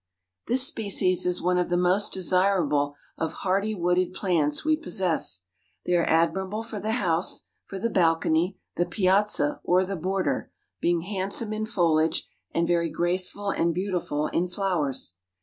This species is one of the most desirable of hardy wooded plants we possess. They are admirable for the house, for the balcony, the piazza, or the border, being handsome in foliage, and very graceful and beautiful in flowers.